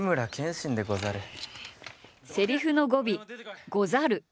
セリフの語尾「ござる」。